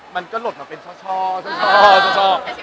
มันก็หลดมาเป็นช่อ